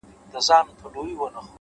راوتلی تر اوو پوښو اغاز دی;